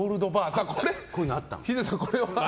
ヒデさん、これは？